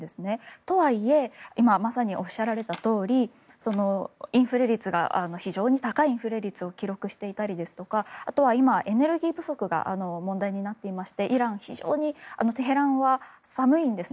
とはいえ、今まさにおっしゃられたとおりインフレ率が非常に高いインフレ率を記録していたりですとかあとは今、エネルギー不足が問題になっていましてイラン、非常にテヘランは寒いんですね。